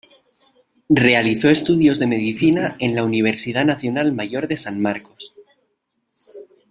Realizó estudios de Medicina en la Universidad Nacional Mayor de San Marcos.